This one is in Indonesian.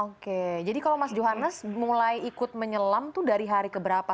oke jadi kalau mas johan mulai ikut menyelam tuh dari hari ke berapa